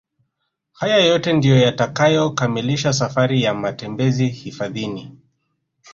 Haya yote ndio yatakayokamilisha safari ya matembezi hifadhini